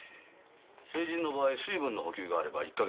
成人の場合水分の補給があれば１か月程度は。